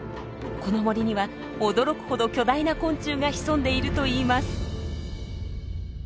この森には驚くほど巨大な昆虫が潜んでいるといいます。